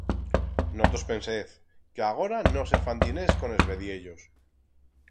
No tos pensez, que agora no se fan diners con es vediellos.